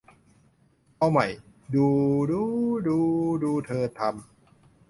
เอาใหม่ ดู ดู๊ ดู ดูเธอทำ